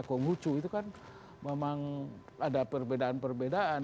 konghucu itu kan memang ada perbedaan perbedaan